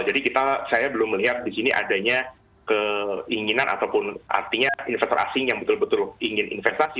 saya belum melihat di sini adanya keinginan ataupun artinya investor asing yang betul betul ingin investasi